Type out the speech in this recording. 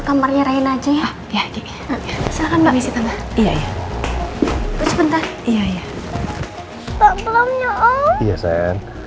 kamarnya rain aja ya ya silakan mbak misi tante iya iya sebentar iya iya tak belumnya om iya sayang